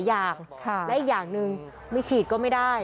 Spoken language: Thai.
เพราะถ้าไม่ฉีดก็ไม่ได้